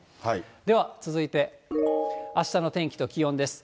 では続いて、あしたの天気と気温です。